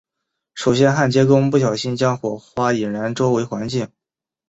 首先焊接工人不小心让火花引燃周围环境。